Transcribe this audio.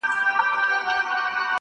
بیا به لوړه بیه واخلي په جهان کي-